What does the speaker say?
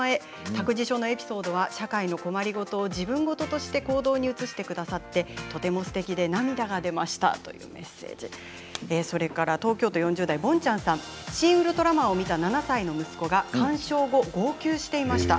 託児所のエピソードは社会の困り事を自分事として行動に移してくださってとってもすてきで涙が出ましたというメッセージそれから東京都４０代の方「シン・ウルトラマン」を見た７歳の息子が観賞後、号泣していました。